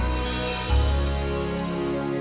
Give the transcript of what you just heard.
aku mau ketemu sama mama tiara